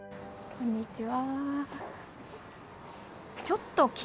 こんにちは。